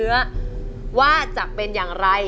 ที่บอกใจยังไง